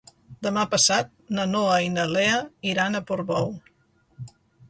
Demà passat na Noa i na Lea iran a Portbou.